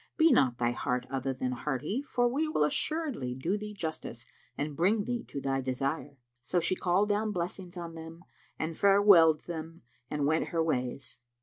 be not thy heart other than hearty, for we will assuredly do thee justice and bring thee to thy desire." So she called down blessings on them and farewelled them and went her ways.